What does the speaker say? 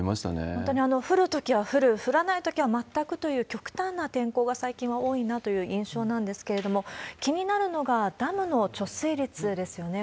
本当に降るときは降る、降らないときは全くという、極端な天候が最近は多いなという印象なんですけれども、気になるのがダムの貯水率ですよね。